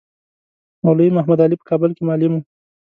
مولوی محمدعلي په کابل کې معلم وو.